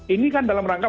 ini kan dalam rangka